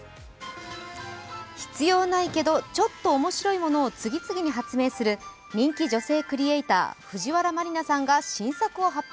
必要ないけどちょっと面白いものを次々に発明する人気女性クリエーター、藤原麻里菜さんが新作を発表。